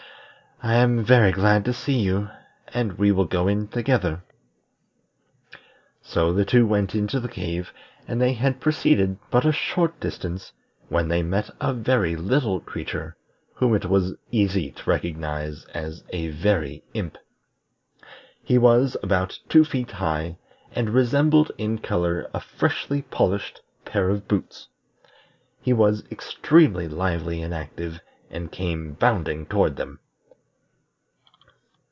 I am very glad to see you, and we will go in together." So the two went into the cave, and they had proceeded but a short distance when they met a very little creature, whom it was easy to recognize as a Very Imp. He was about two feet high, and resembled in color a freshly polished pair of boots. He was extremely lively and active, and came bounding toward them.